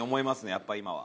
やっぱ今は。